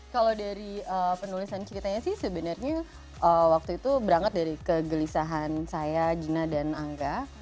kalau dari penulisan ceritanya sih sebenarnya waktu itu berangkat dari kegelisahan saya gina dan angga